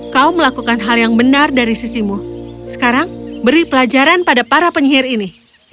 kau melakukan hal yang benar dari sisimu sekarang beri pelajaran pada para penyihir ini